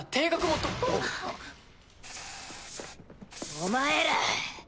お前ら。